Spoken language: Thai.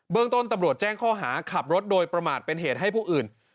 เรื่องต้นตำรวจแจ้งข้อหาขับรถโดยประมาทเป็นเหตุให้ผู้อื่น